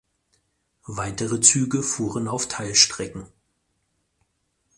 Weitere Züge fuhren auf Teilstrecken.